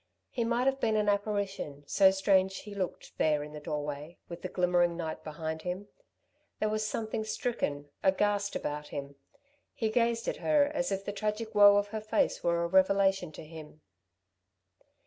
He might have been an aparition, so strange he looked, there in the doorway, with the glimmering night behind him. There was something stricken, aghast, about him. He gazed at her as if the tragic woe of her face were a revelation to him.